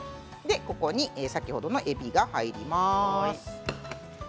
ここに先ほどのえびが入ります。